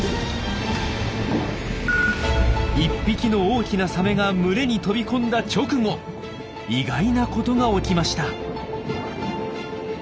１匹の大きなサメが群れに飛び込んだ直後意外なことが起きました。